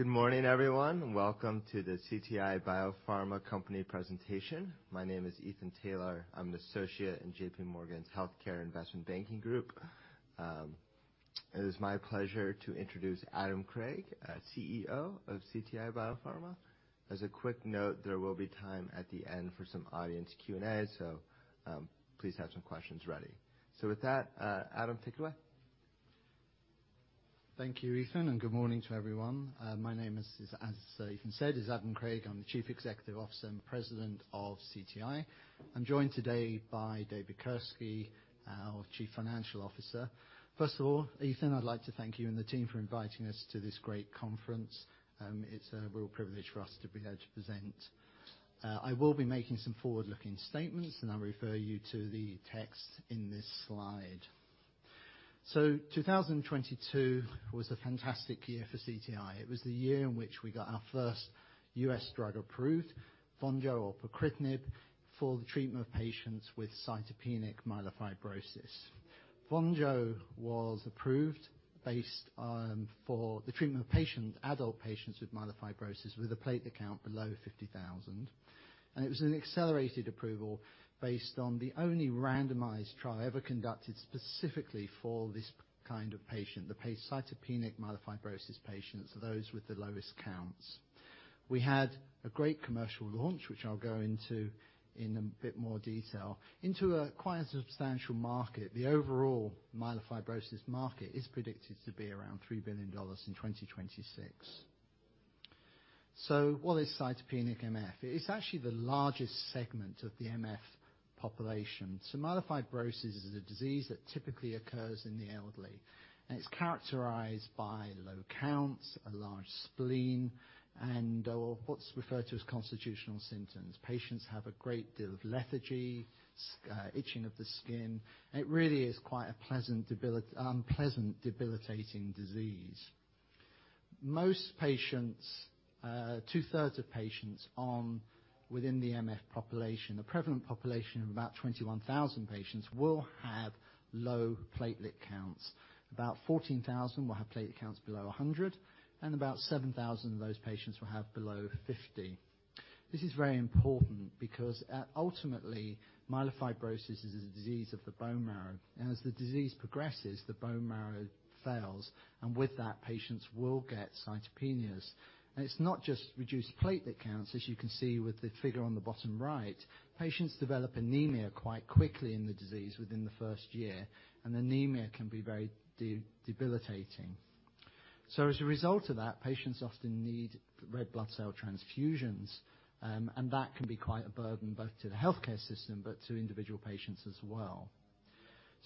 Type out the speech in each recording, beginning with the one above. Good morning, everyone. Welcome to the CTI BioPharma company presentation. My name is Ethan Taylor. I'm an associate in JPMorgan's Healthcare Investment Banking group. It is my pleasure to introduce Adam Craig, CEO of CTI BioPharma. As a quick note, there will be time at the end for some audience Q&A, please have some questions ready. With that, Adam, take it away. Thank you, Ethan. Good morning to everyone. My name is, as Ethan said, Adam Craig. I'm the Chief Executive Officer and President of CTI. I'm joined today by David Kirske, our Chief Financial Officer. First of all, Ethan, I'd like to thank you and the team for inviting us to this great conference. It's a real privilege for us to be here to present. I will be making some forward-looking statements. I'll refer you to the text in this slide. 2022 was a fantastic year for CTI. It was the year in which we got our first U.S. drug approved, VONJO or pacritinib, for the treatment of patients with cytopenic myelofibrosis. VONJO was approved based for the treatment of patients, adult patients with myelofibrosis with a platelet count below 50,000. It was an Accelerated Approval based on the only randomized trial ever conducted specifically for this kind of patient, the cytopenic myelofibrosis patients, those with the lowest counts. We had a great commercial launch, which I'll go into in a bit more detail, into a quite substantial market. The overall myelofibrosis market is predicted to be around $3 billion in 2026. What is cytopenic MF? It is actually the largest segment of the MF population. myelofibrosis is a disease that typically occurs in the elderly, and it's characterized by low counts, a large spleen, and or what's referred to as constitutional symptoms. Patients have a great deal of lethargy, itching of the skin. It really is quite a pleasant unpleasant, debilitating disease. Most patients, 2/3 of patients on within the MF population, the prevalent population of about 21,000 patients will have low platelet counts. About 14,000 will have platelet counts below 100, and about 7,000 of those patients will have below 50. This is very important because ultimately, myelofibrosis is a disease of the bone marrow. As the disease progresses, the bone marrow fails, and with that, patients will get cytopenias. It's not just reduced platelet counts as you can see with the figure on the bottom right. Patients develop anemia quite quickly in the disease within the first year, and anemia can be very debilitating. As a result of that, patients often need red blood cell transfusions, and that can be quite a burden both to the healthcare system, but to individual patients as well.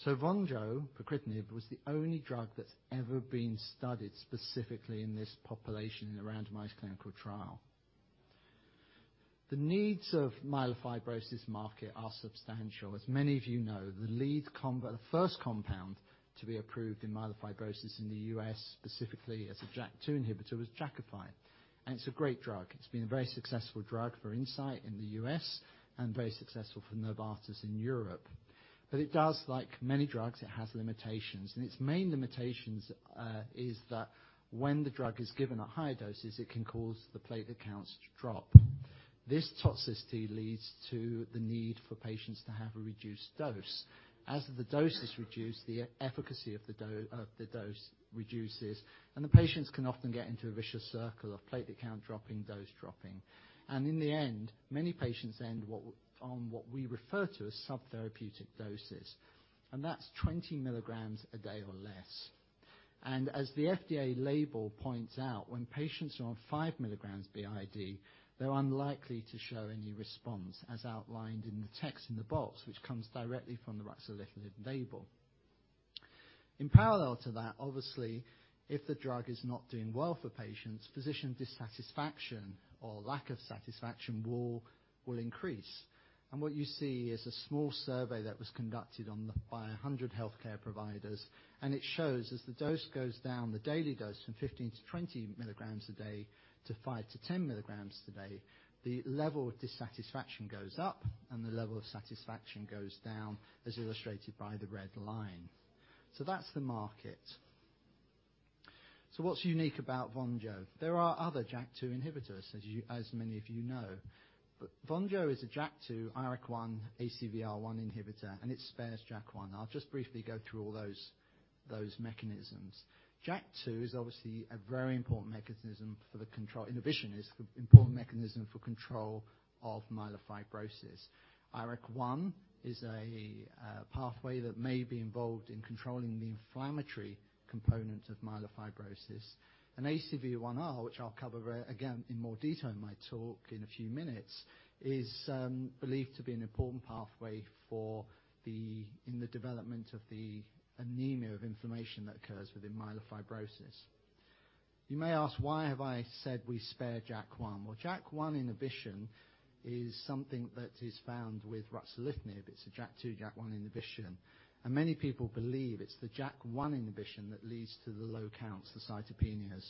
VONJO, pacritinib, was the only drug that's ever been studied specifically in this population in a randomized clinical trial. The needs of myelofibrosis market are substantial. As many of you know, the first compound to be approved in myelofibrosis in the U.S., specifically as a JAK2 inhibitor, was Jakafi. It's a great drug. It's been a very successful drug for Incyte in the U.S. and very successful for Novartis in Europe. It does, like many drugs, it has limitations, and its main limitations is that when the drug is given at higher doses, it can cause the platelet counts to drop. This toxicity leads to the need for patients to have a reduced dose. As the dose is reduced, the efficacy of the dose reduces, the patients can often get into a vicious circle of platelet count dropping, dose dropping. In the end, many patients end what, on what we refer to as subtherapeutic doses, and that's 20 mg a day or less. As the FDA label points out, when patients are on 5 mg BID, they're unlikely to show any response, as outlined in the text in the box, which comes directly from the ruxolitinib label. In parallel to that, obviously, if the drug is not doing well for patients, physician dissatisfaction or lack of satisfaction will increase. What you see is a small survey that was conducted by 100 healthcare providers, it shows as the dose goes down, the daily dose from 15 mg-20 mg a day to 5 mg-10 mg today, the level of dissatisfaction goes up and the level of satisfaction goes down, as illustrated by the red line. That's the market. What's unique about VONJO? There are other JAK2 inhibitors, as many of you know. VONJO is a JAK2, IRAK-1, ACVR1 inhibitor, and it spares JAK1. I'll just briefly go through all those mechanisms. JAK2 is obviously a very important mechanism for inhibition is the important mechanism for control of myelofibrosis. IRAK-1 is a pathway that may be involved in controlling the inflammatory component of myelofibrosis. ACVR1, which I'll cover again in more detail in my talk in a few minutes, is believed to be an important pathway in the development of the anemia of inflammation that occurs within myelofibrosis. You may ask, why have I said we spare JAK1? Well, JAK1 inhibition is something that is found with ruxolitinib. It's a JAK2, JAK1 inhibition. Many people believe it's the JAK1 inhibition that leads to the low counts, the cytopenias.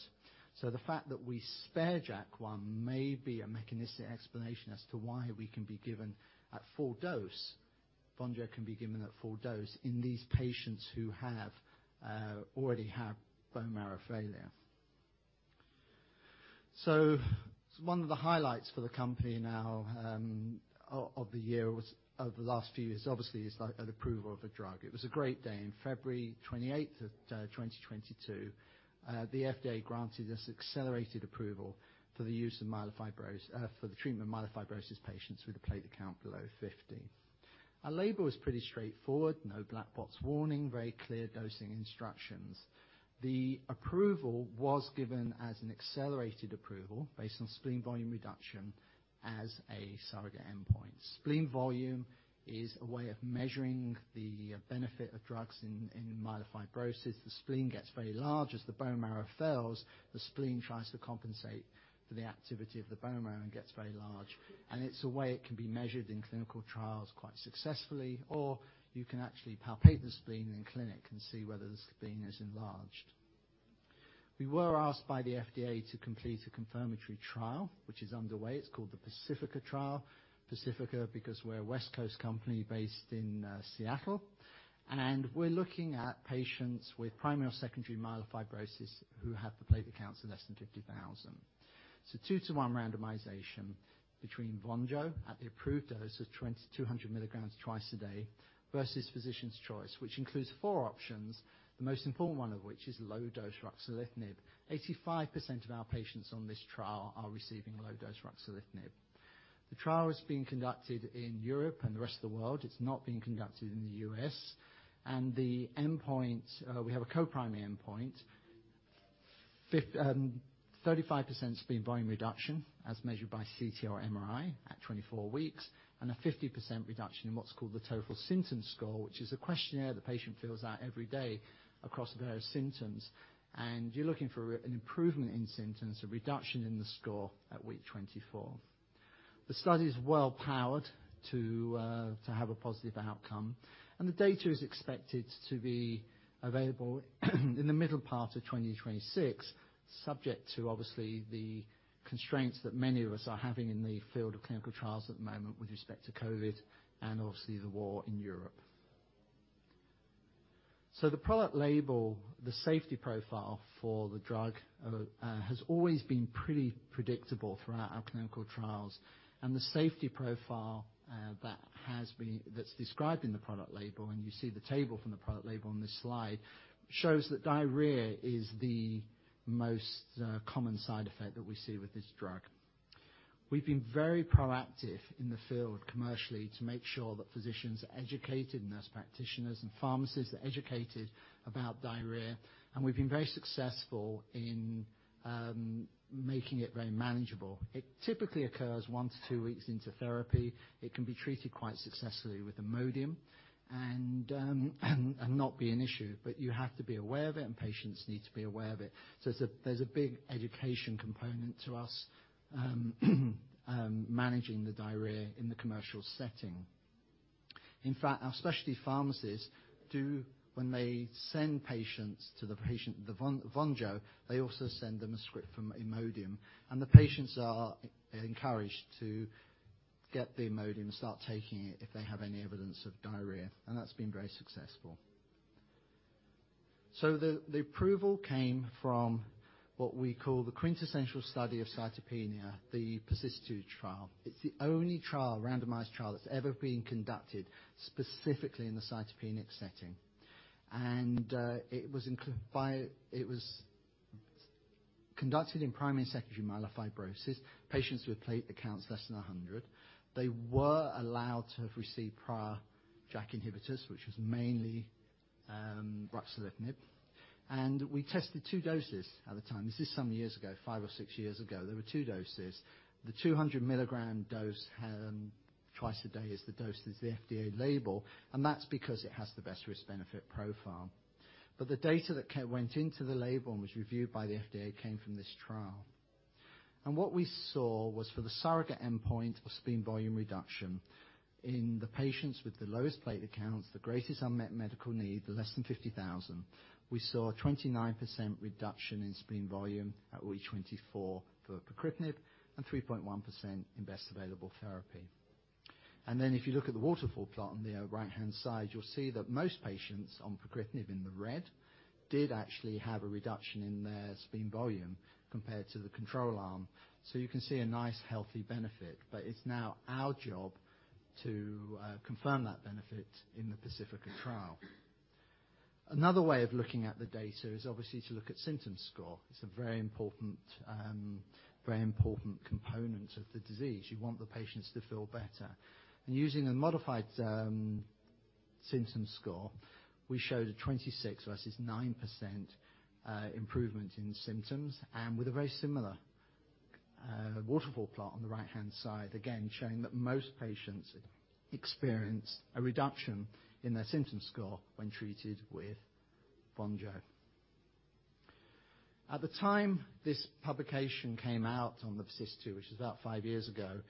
The fact that we spare JAK1 may be a mechanistic explanation as to why VONJO can be given at full dose in these patients who already have bone marrow failure. One of the highlights for the company now of the last few years, obviously an approval of a drug. It was a great day. In February 28th of 2022, the FDA granted us Accelerated Approval for the treatment of myelofibrosis patients with a platelet count below 50. Our label is pretty straightforward, no black box warning, very clear dosing instructions. The approval was given as an Accelerated Approval based on spleen volume reduction as a surrogate endpoint. Spleen volume is a way of measuring the benefit of drugs in myelofibrosis. The spleen gets very large. As the bone marrow fails, the spleen tries to compensate for the activity of the bone marrow and gets very large. It's a way it can be measured in clinical trials quite successfully, or you can actually palpate the spleen in clinic and see whether the spleen is enlarged. We were asked by the FDA to complete a confirmatory trial, which is underway. It's called the PACIFICA Trial. PACIFICA because we're a West Coast company based in Seattle, and we're looking at patients with primary or secondary myelofibrosis who have the platelet counts of less than 50,000. It's a 2-to-1 randomization between VONJO at the approved dose of 200 milligrams twice a day versus physician's choice, which includes four options, the most important one of which is low-dose ruxolitinib. 85% of our patients on this trial are receiving low-dose ruxolitinib. The trial is being conducted in Europe and the rest of the world. It's not being conducted in the U.S. The endpoint, we have a co-primary endpoint. 35% spleen volume reduction, as measured by CT or MRI at 24 weeks, and a 50% reduction in what's called the Total Symptom Score, which is a questionnaire the patient fills out every day across a variety of symptoms. You're looking for an improvement in symptoms, a reduction in the score at week 24. The study is well powered to to have a positive outcome, and the data is expected to be available in the middle part of 2026, subject to obviously the constraints that many of us are having in the field of clinical trials at the moment with respect to COVID and obviously the war in Europe. The product label, the safety profile for the drug has always been pretty predictable throughout our clinical trials. The safety profile that's described in the product label, and you see the table from the product label on this slide, shows that diarrhea is the most common side effect that we see with this drug. We've been very proactive in the field commercially to make sure that physicians are educated, nurse practitioners and pharmacists are educated about diarrhea. We've been very successful in making it very manageable. It typically occurs one to two weeks into therapy. It can be treated quite successfully with Imodium and not be an issue. You have to be aware of it, and patients need to be aware of it. There's a big education component to us managing the diarrhea in the commercial setting. In fact, our specialty pharmacists do when they send patients to the patient, the VONJO, they also send them a script for Imodium. The patients are encouraged to get the Imodium and start taking it if they have any evidence of diarrhea. That's been very successful. The approval came from what we call the quintessential study of cytopenia, the PERSIST-2 trial. It's the only trial, randomized trial that's ever been conducted specifically in the cytopenic setting. It was conducted in primary and secondary myelofibrosis, patients with platelet counts less than 100. They were allowed to have received prior JAK inhibitors, which was mainly ruxolitinib. We tested 2 doses at the time. This is some years ago, five or six years ago. There were two doses. The 200 mg dose twice a day is the dose that's the FDA label, and that's because it has the best risk-benefit profile. The data that went into the label and was reviewed by the FDA came from this trial. What we saw was for the surrogate endpoint of spleen volume reduction in the patients with the lowest platelet counts, the greatest unmet medical need, the less than 50,000, we saw a 29% reduction in spleen volume at week 24 for pacritinib and 3.1% in best available therapy. If you look at the waterfall plot on the right-hand side, you'll see that most patients on pacritinib in the red did actually have a reduction in their spleen volume compared to the control arm. You can see a nice, healthy benefit. It's now our job to confirm that benefit in the PACIFICA trial. Another way of looking at the data is obviously to look at symptom score. It's a very important, very important component of the disease. You want the patients to feel better. Using a modified symptom score, we showed a 26% versus 9% improvement in symptoms with a very similar waterfall plot on the right-hand side, again, showing that most patients experienced a reduction in their symptom score when treated with VONJO. At the time this publication came out on the PERSIST-2, which was about five years ago,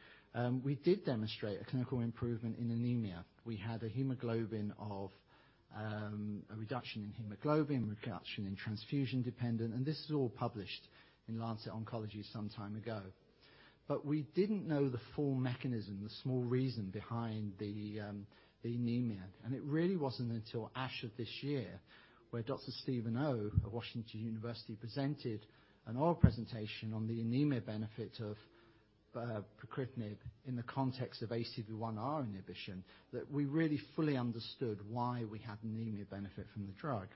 we did demonstrate a clinical improvement in anemia. We had a hemoglobin of a reduction in hemoglobin, reduction in transfusion-dependent, and this was all published in Lancet Oncology some time ago. We didn't know the full mechanism, the small reason behind the anemia. It really wasn't until ASH of this year, where Dr. Stephen Oh of Washington University presented an oral presentation on the anemia benefit of pacritinib in the context of ACVR1 inhibition, that we really fully understood why we had anemia benefit from the drug.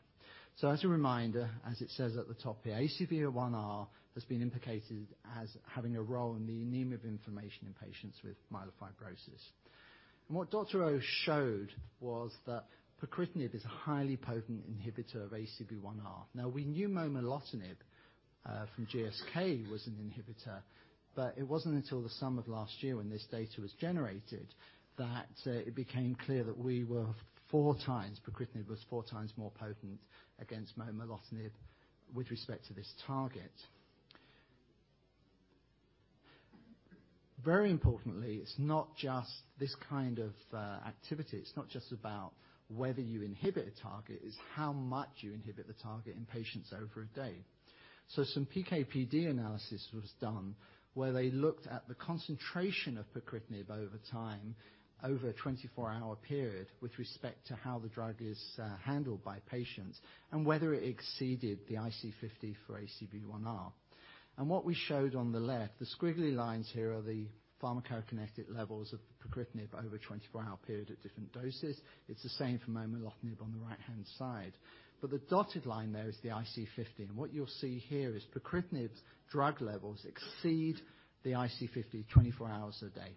As a reminder, as it says at the top here, ACVR1 has been implicated as having a role in the anemia of inflammation in patients with myelofibrosis. What Dr. Oh showed was that pacritinib is a highly potent inhibitor of ACVR1. We knew momelotinib from GSK was an inhibitor, but it wasn't until the summer of last year when this data was generated that it became clear that pacritinib was four times more potent against momelotinib with respect to this target. Very importantly, it's not just this kind of activity. It's not just about whether you inhibit a target, it's how much you inhibit the target in patients over a day. Some PK/PD analysis was done where they looked at the concentration of pacritinib over time over a 24-hour period with respect to how the drug is handled by patients and whether it exceeded the IC50 for ACVR1. What we showed on the left, the squiggly lines here are the pharmacokinetic levels of pacritinib over a 24-hour period at different doses. It's the same for momelotinib on the right-hand side. The dotted line there is the IC50, and what you'll see here is pacritinib's drug levels exceed the IC50 24 hours a day,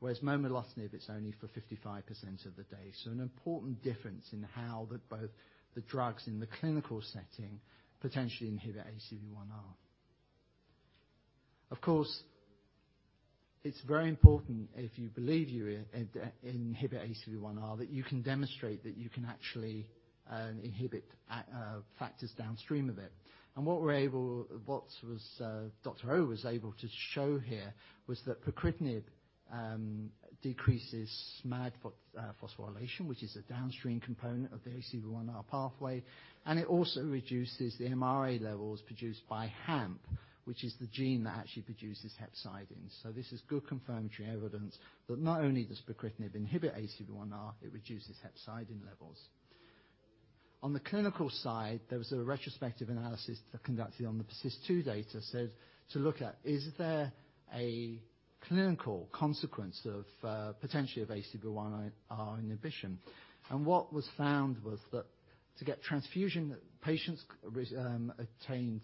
whereas momelotinib, it's only for 55% of the day. An important difference in how the, both the drugs in the clinical setting potentially inhibit ACVR1. It's very important if you believe you inhibit ACVR1 that you can demonstrate that you can actually inhibit at factors downstream of it. What Dr. Oh was able to show here was that pacritinib decreases SMAD phosphorylation, which is a downstream component of the ACVR1 pathway, and it also reduces the mRNA levels produced by HAMP, which is the gene that actually produces hepcidin. This is good confirmatory evidence that not only does pacritinib inhibit ACVR1, it reduces hepcidin levels. On the clinical side, there was a retrospective analysis conducted on the PERSIST-2 data, said to look at, is there a clinical consequence of potentially of ACVR1 inhibition? What was found was that to get transfusion, patients attained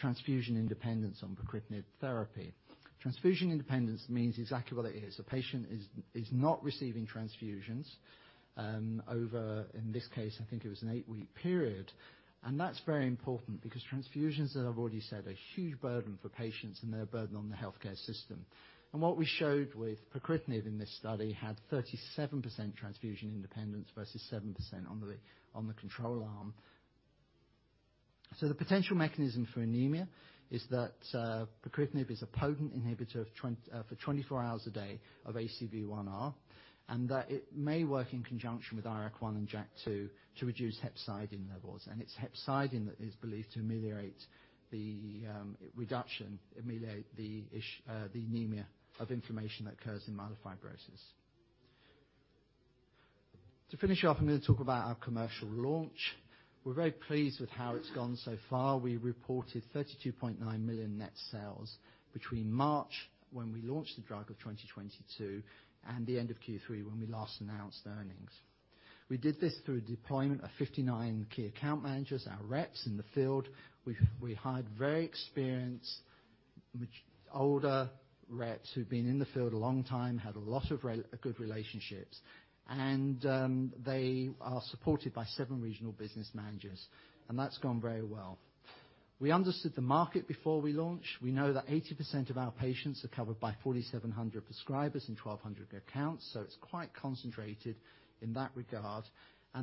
transfusion independence on pacritinib therapy. Transfusion independence means exactly what it is. The patient is not receiving transfusions over, in this case, I think it was an eight-week period. That's very important because transfusions, as I've already said, are a huge burden for patients, and they're a burden on the healthcare system. What we showed with pacritinib in this study had 37% transfusion independence versus 7% on the control arm. The potential mechanism for anemia is that pacritinib is a potent inhibitor for 24 hours a day of ACVR1, and that it may work in conjunction with IRAK-1 and JAK2 to reduce hepcidin levels, and it's hepcidin that is believed to ameliorate the anemia of inflammation that occurs in myelofibrosis. To finish up, I'm gonna talk about our commercial launch. We're very pleased with how it's gone so far. We reported $32.9 million net sales between March, when we launched the drug, of 2022, and the end of Q3, when we last announced earnings. We did this through deployment of 59 key account managers, our reps in the field. We hired very experienced, which older reps who've been in the field a long time, had a lot of good relationships. They are supported by seven regional business managers, and that's gone very well. We understood the market before we launched. We know that 80% of our patients are covered by 4,700 prescribers and 1,200 accounts, it's quite concentrated in that regard.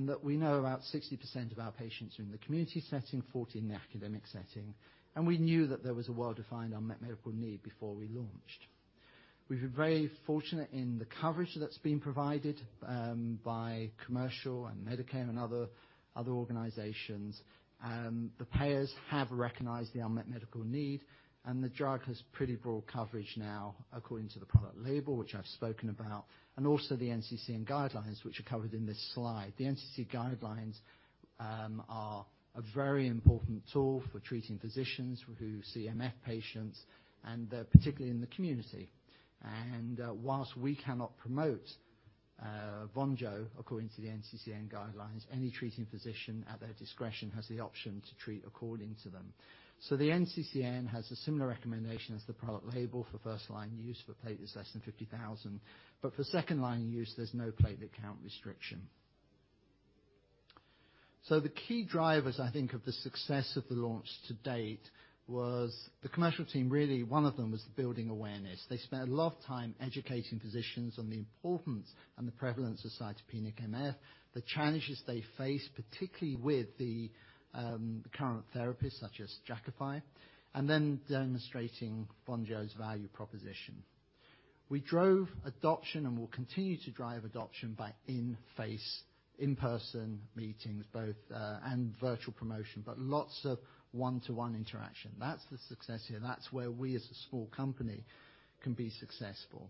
That we know about 60% of our patients are in the community setting, 40% in the academic setting. We knew that there was a well-defined unmet medical need before we launched. We've been very fortunate in the coverage that's been provided by commercial and Medicare and other organizations. The payers have recognized the unmet medical need, and the drug has pretty broad coverage now according to the product label, which I've spoken about, and also the NCCN guidelines, which are covered in this slide. The NCCN guidelines are a very important tool for treating physicians who see MF patients, and particularly in the community. Whilst we cannot promote VONJO according to the NCCN guidelines, any treating physician at their discretion has the option to treat according to them. The NCCN has a similar recommendation as the product label for first-line use for platelets less than 50,000. For second-line use, there's no platelet count restriction. The key drivers, I think, of the success of the launch to date was the commercial team. Really, one of them was the building awareness. They spent a lot of time educating physicians on the importance and the prevalence of cytopenic MF, the challenges they face, particularly with the current therapies such as Jakafi, and then demonstrating VONJO's value proposition. We drove adoption and we'll continue to drive adoption by in-face, in-person meetings, both, and virtual promotion, but lots of one-to-one interaction. That's the success here. That's where we as a small company can be successful.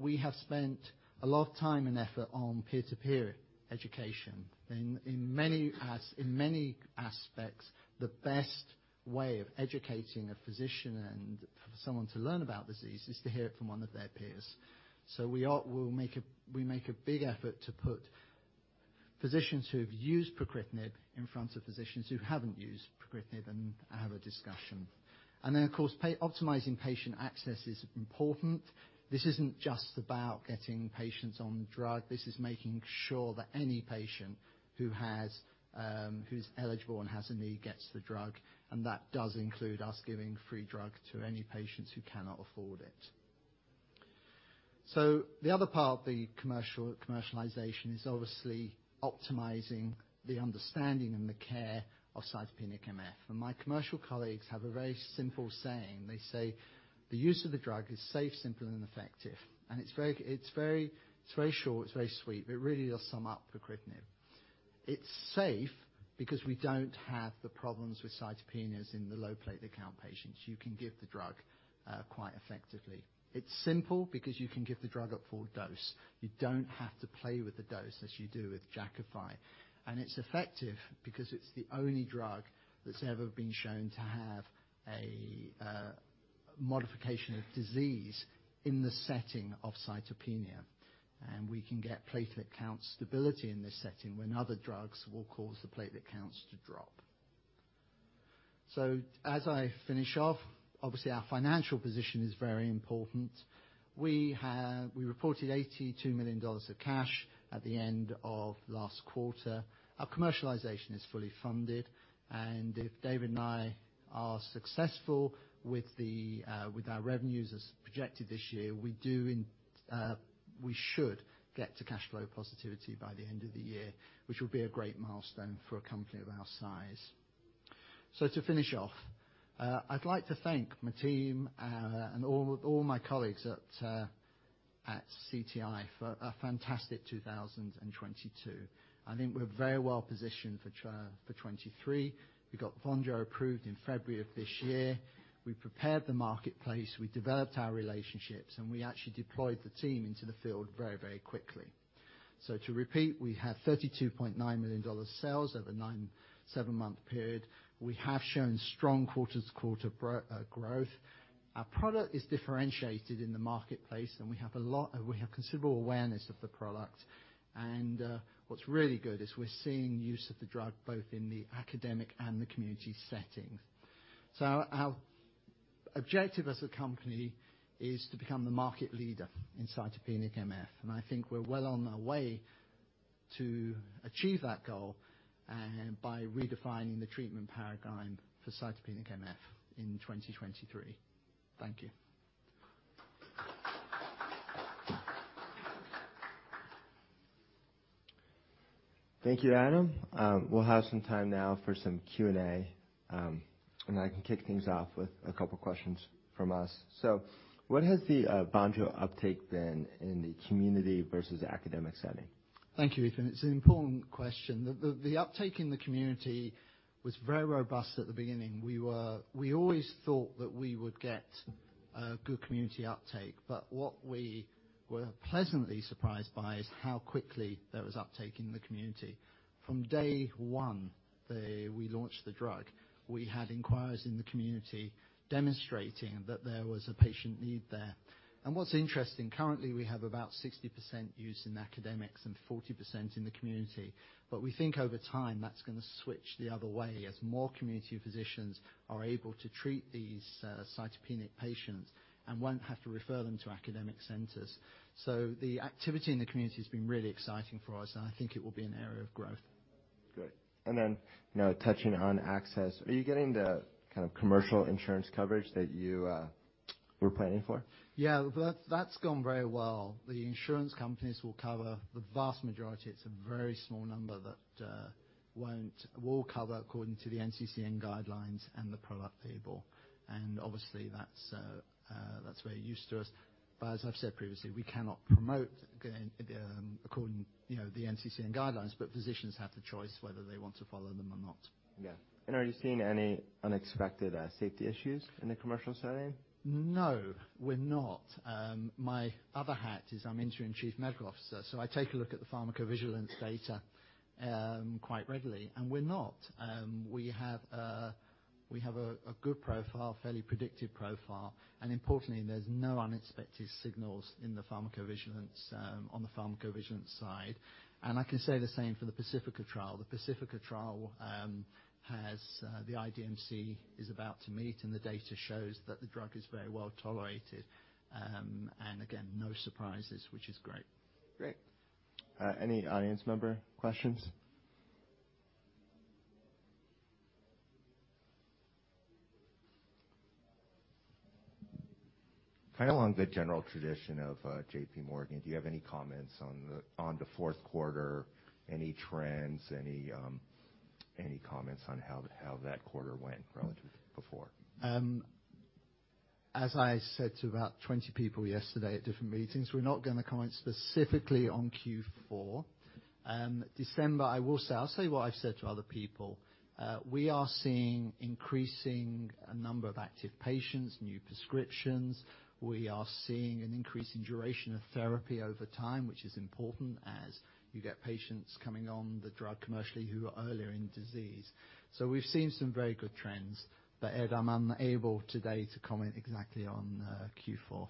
We have spent a lot of time and effort on peer-to-peer education. In many aspects, the best way of educating a physician and for someone to learn about disease is to hear it from one of their peers. We ought we make a big effort to put physicians who have used pacritinib in front of physicians who haven't used pacritinib and have a discussion. Then, of course, optimizing patient access is important. This isn't just about getting patients on drug. This is making sure that any patient who has, who's eligible and has a need gets the drug, and that does include us giving free drug to any patients who cannot afford it. The other part of the commercialization is obviously optimizing the understanding and the care of cytopenic MF. My commercial colleagues have a very simple saying. They say, "The use of the drug is safe, simple, and effective." It's very short, it's very sweet, but it really does sum up pacritinib. It's safe because we don't have the problems with cytopenias in the low platelet count patients. You can give the drug quite effectively. It's simple because you can give the drug at full dose. You don't have to play with the dose as you do with Jakafi. It's effective because it's the only drug that's ever been shown to have a modification of disease in the setting of cytopenia. We can get platelet count stability in this setting when other drugs will cause the platelet counts to drop. As I finish off, obviously our financial position is very important. We reported $82 million of cash at the end of last quarter. If David and I are successful with our revenues as projected this year, we should get to cash flow positivity by the end of the year, which will be a great milestone for a company of our size. To finish off, I'd like to thank my team and all my colleagues at CTI for a fantastic 2022. I think we're very well positioned for 2023. We got VONJO approved in February of this year. We prepared the marketplace, we developed our relationships, and we actually deployed the team into the field very, very quickly. To repeat, we have $32.9 million sales over nine, seven-month period. We have shown strong quarter-over-quarter growth. Our product is differentiated in the marketplace, and we have considerable awareness of the product. What's really good is we're seeing use of the drug both in the academic and the community settings. Our objective as a company is to become the market leader in cytopenic MF, and I think we're well on our way to achieve that goal and by redefining the treatment paradigm for cytopenic MF in 2023. Thank you. Thank you, Adam. We'll have some time now for some Q&A. I can kick things off with a couple questions from us. What has the VONJO uptake been in the community versus academic setting? Thank you, Ethan. It's an important question. The uptake in the community was very robust at the beginning. We always thought that we would get good community uptake, what we were pleasantly surprised by is how quickly there was uptake in the community. From day one, we launched the drug, we had inquirers in the community demonstrating that there was a patient need there. What's interesting, currently we have about 60% use in academics and 40% in the community, we think over time, that's gonna switch the other way as more community physicians are able to treat these cytopenic patients and won't have to refer them to academic centers. The activity in the community has been really exciting for us, and I think it will be an area of growth. Great. you know, touching on access, are you getting the kind of commercial insurance coverage that you were planning for? Yeah. That's gone very well. The insurance companies will cover the vast majority. It's a very small number that we'll cover according to the NCCN guidelines and the product label. Obviously that's very of use to us. As I've said previously, we cannot promote, you know, the NCCN guidelines, but physicians have the choice whether they want to follow them or not. Yeah. Are you seeing any unexpected safety issues in the commercial setting? No, we're not. My other hat is I'm interim chief medical officer, so I take a look at the pharmacovigilance data quite readily, and we're not. We have a good profile, fairly predictive profile. Importantly, there's no unexpected signals in the pharmacovigilance on the pharmacovigilance side. I can say the same for the PACIFICA trial. The PACIFICA trial has the IDMC is about to meet, and the data shows that the drug is very well-tolerated. Again, no surprises, which is great. Great. Any audience member questions? Kind of along the general tradition of, JPMorgan, do you have any comments on the fourth quarter? Any trends, any comments on how that quarter went relative to before? As I said to about 20 people yesterday at different meetings, we're not gonna comment specifically on Q4. December, I will say, I'll say what I've said to other people. We are seeing increasing number of active patients, new prescriptions. We are seeing an increase in duration of therapy over time, which is important as you get patients coming on the drug commercially who are earlier in disease. We've seen some very good trends. Ed, I'm unable today to comment exactly on Q4.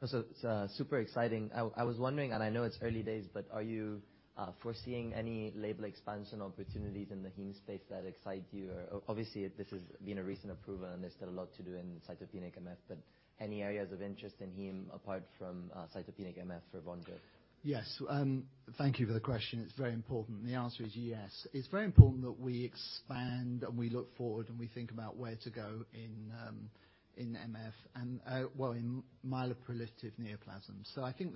It's super exciting. I was wondering, and I know it's early days, but are you foreseeing any label expansion opportunities in the heme space that excite you? Obviously, this has been a recent approval, and there's still a lot to do in cytopenic MF, but any areas of interest in heme apart from cytopenic MF for VONJO? Yes. Thank you for the question. It's very important. The answer is yes. It's very important that we expand and we look forward and we think about where to go in MF and myeloproliferative neoplasms. I think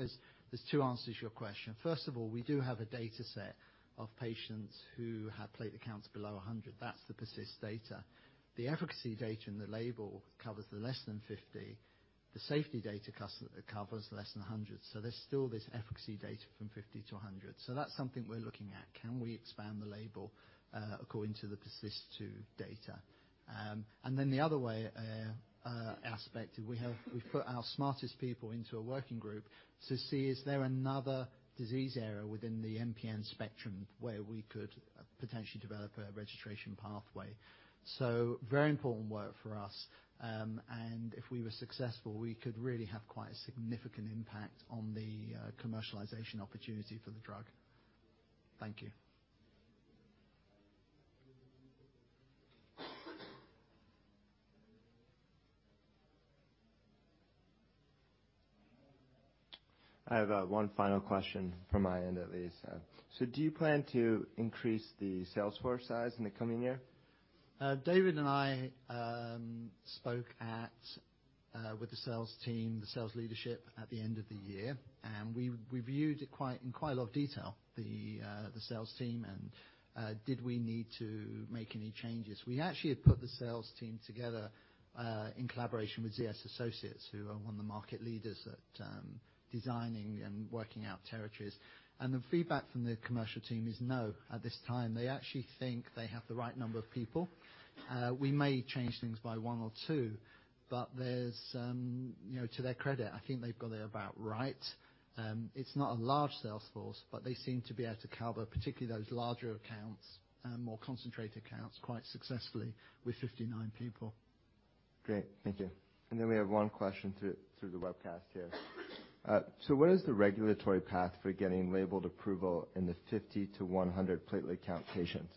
there's two answers to your question. First of all, we do have a dataset of patients who had platelet counts below 100. That's the PERSIST data. The efficacy data in the label covers the less than 50. The safety data covers less than 100. There's still this efficacy data from 50-100. That's something we're looking at. Can we expand the label according to the PERSIST-2 data? The other way, aspect, we've put our smartest people into a working group to see is there another disease area within the MPN spectrum where we could potentially develop a registration pathway. Very important work for us. If we were successful, we could really have quite a significant impact on the commercialization opportunity for the drug. Thank you. I have, 1 final question from my end, at least. Do you plan to increase the sales force size in the coming year? David and I spoke at with the sales team, the sales leadership at the end of the year, and we reviewed it in quite a lot of detail, the sales team and did we need to make any changes. We actually had put the sales team together in collaboration with ZS Associates, who are one of the market leaders at designing and working out territories. The feedback from the commercial team is no, at this time. They actually think they have the right number of people. We may change things by one or two, but there's, you know, to their credit, I think they've got it about right. It's not a large sales force, but they seem to be able to cover, particularly those larger accounts and more concentrated accounts quite successfully with 59 people. Great. Thank you. We have one question through the webcast here. What is the regulatory path for getting labeled approval in the 50 to 100 platelet count patients?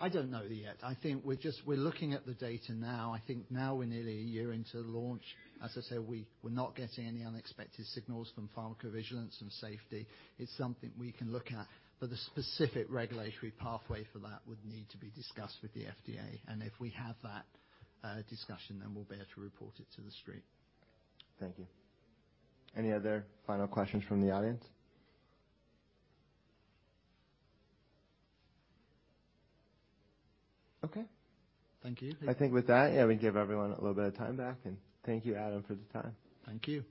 I don't know yet. I think we're looking at the data now. I think now we're nearly a year into the launch. As I said, we're not getting any unexpected signals from pharmacovigilance and safety. It's something we can look at, but the specific regulatory pathway for that would need to be discussed with the FDA. If we have that discussion, then we'll be able to report it to the street. Thank you. Any other final questions from the audience? Okay. Thank you. I think with that, yeah, we can give everyone a little bit of time back. Thank you, Adam, for the time. Thank you.